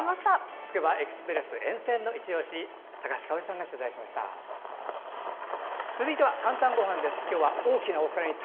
つくばエクスプレス沿線のいちオシ高橋香央里さんが取材しました。